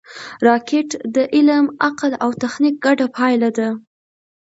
راکټ د علم، عقل او تخنیک ګډه پایله ده